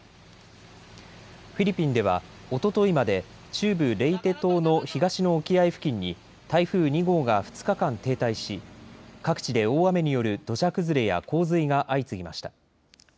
フィリピンでは、おとといまで中部レイテ島の東の沖合付近に台風２号が２日間停滞し各地で大雨による土砂崩れや洪水が相次ぎました。